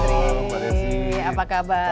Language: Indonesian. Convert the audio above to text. hello mas menteri apa kabar